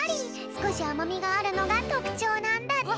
すこしあまみがあるのがとくちょうなんだって。